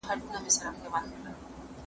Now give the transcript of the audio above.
که کمپیوټر وي نو ټایپ نه پاتې کیږي.